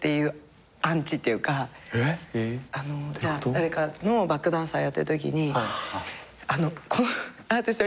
誰かのバックダンサーやってるときにこのアーティストより目立っちゃって。